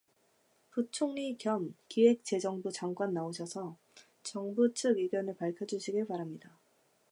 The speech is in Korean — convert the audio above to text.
부총리 겸 기획재정부 장관 나오셔서 정부 측 의견을 밝혀 주시기 바랍니다.